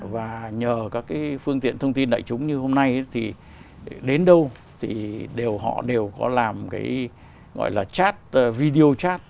và nhờ các cái phương tiện thông tin đại chúng như hôm nay thì đến đâu thì họ đều có làm cái gọi là chat video chat